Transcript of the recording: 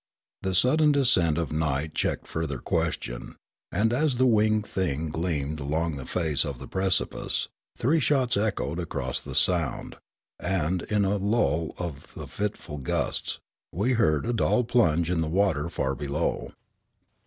The sudden descent of night checked further question ; and as the winged thing gleamed along the face of the precipice, three shots echoed across the sound, and, in a lull of the fitful gusts, we heard a dull plunge in the water far below.